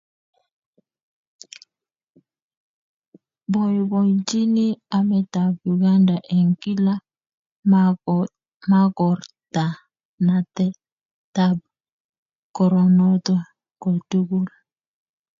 boiboenchini emetab Uganda eng kila makortanatetab koronoto kotugul